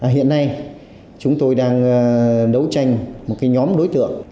hiện nay chúng tôi đang đấu tranh một cái nhóm đối tượng